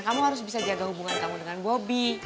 kamu harus bisa jaga hubungan kamu dengan bobby